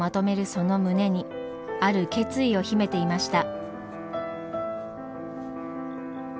その胸にある決意を秘めていました。